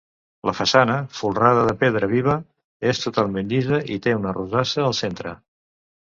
La façana, folrada de pedra viva, és totalment llisa i té una rosassa al centre.